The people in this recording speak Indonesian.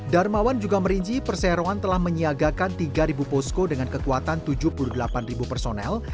darmawan juga merinci perseroan telah menyiagakan tiga posko dengan kekuatan tujuh puluh delapan personel